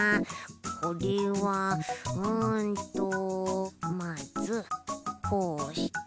これはうんとまずこうして。